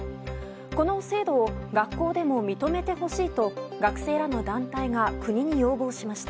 この制度を学校でも認めてほしいと学生らの団体が国に要望しました。